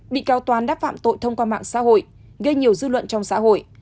các cơ quan đáp phạm tội thông qua mạng xã hội gây nhiều dư luận trong xã hội